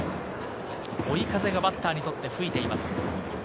追い風がバッターにとって吹いています。